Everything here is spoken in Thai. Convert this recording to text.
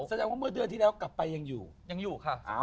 สัญญาว่าเมื่อเดือนที่แล้วกลับไปยังอยู่